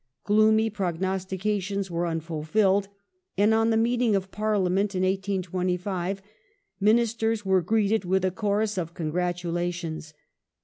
Gloomy prognosti cations were unfulfilled, and on the meeting of Parliament in 1825 Ministers were greeted with a chorus of congratulations.